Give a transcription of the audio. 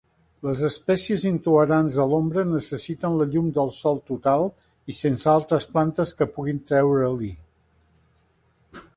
Les espècies intolerants a l'ombra necessiten la llum del sol total i sense altres plantes que puguin treure-li.